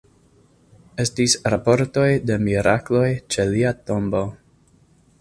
Estis raportoj de mirakloj ĉe lia tombo.